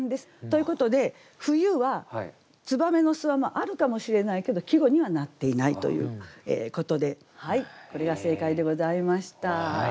ということで冬は燕の巣はあるかもしれないけど季語にはなっていないということでこれが正解でございました。